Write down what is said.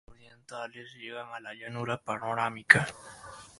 Las partes nororientales llegan a la Llanura Panónica.